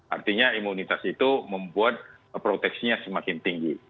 artinya imunitas itu membuat proteksinya semakin tinggi